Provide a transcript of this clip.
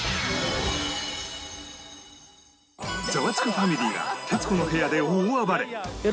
ファミリーが『徹子の部屋』で大暴れ！